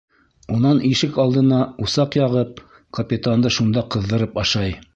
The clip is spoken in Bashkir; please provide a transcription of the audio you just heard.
Унан ишек алдына усаҡ яғып, капитанды шунда ҡыҙҙырып ашай.